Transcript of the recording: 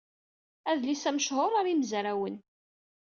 Adlis-a mechuṛ ɣer yimezrawen.